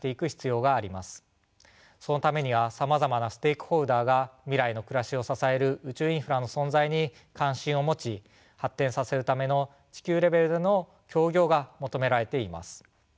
そのためにはさまざまなステークホルダーが未来の暮らしを支える宇宙インフラの存在に関心を持ち発展させるための地球レベルでの協業が求められています。